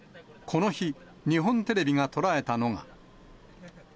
この日、日本テレビが捉えたのが。